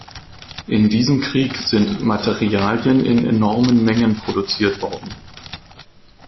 In diesem Krieg sind Materialien in enormen Mengen produziert worden.